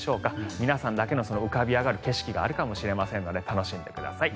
皆さんだけの浮かび上がる景色があるかもしれませんので楽しんでください。